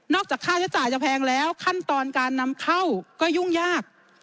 จากค่าใช้จ่ายจะแพงแล้วขั้นตอนการนำเข้าก็ยุ่งยาก